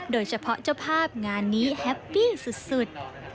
โดยเฉพาะเจ้าภาพงานนี้แฮปปี้สุด